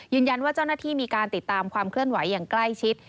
เจ้าหน้าที่มีการติดตามความเคลื่อนไหวอย่างใกล้ชิด